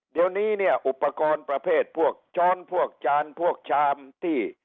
เดี๋ยวนี้เนี่ยอุปกรณ์ประเภทพวกช้อนพวกจานพวกชามที่